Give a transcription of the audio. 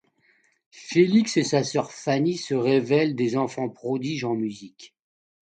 Felix et sa sœur Fanny se révèlent des enfants prodiges en musique.